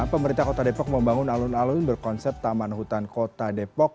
pemerintah kota depok membangun alun alun berkonsep taman hutan kota depok